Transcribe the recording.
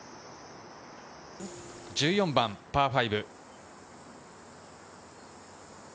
１４番、パー５。